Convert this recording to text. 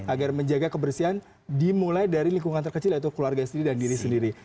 agar menjaga kebersihan dimulai dari lingkungan terkecil yaitu keluarga sendiri dan diri sendiri